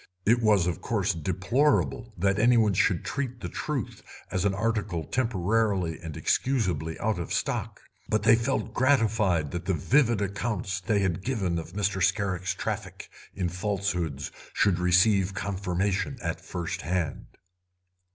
It was, of course, deplorable that any one should treat the truth as an article temporarily and excusably out of stock, but they felt gratified that the vivid accounts they had given of Mr. Scarrick's traffic in falsehoods should receive confirmation at first hand.